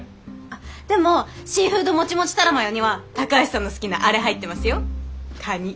あっでもシーフードモチモチタラマヨには高橋さんの好きなあれ入ってますよカニ。